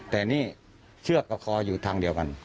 แต่นี่เชือกกับคออยู่ทางเดียวกัน